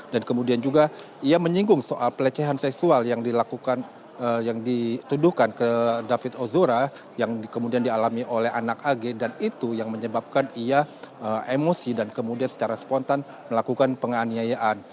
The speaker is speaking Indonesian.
dan kemudian juga ia menyinggung soal pelecehan seksual yang dituduhkan ke david ozora yang kemudian dialami oleh anak ag dan itu yang menyebabkan ia emosi dan kemudian secara spontan melakukan penganiayaan